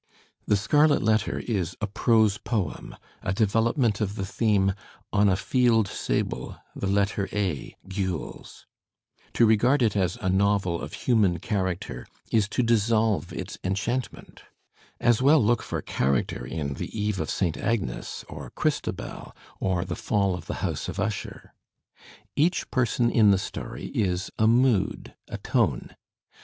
"The Scarlet Letter" is a prose poem, a development of the theme: "On a Field Sable, the Letter A, Gules." To regard it as a novel of human character is to dissolve its enchantment. As well look for character in "The Eve of Digitized by Google 86 THE SPIRIT OF AMERICAN LITERATURE SL Agnes" or "Christabel," or "The FaU of The House of \Usher." Each person in the story is a mood, a tone.